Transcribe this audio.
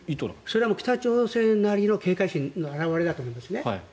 それは北朝鮮なりの警戒心の表れだと思うんですね。